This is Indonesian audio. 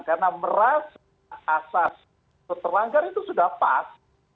karena merasa asas setelah terlanggar itu sudah pas